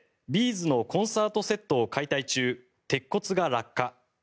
’ｚのコンサートセットを解体中鉄骨が落下。